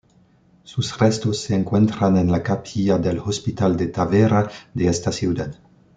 Sus restos se encuentran en la capilla del Hospital de Tavera de esta ciudad.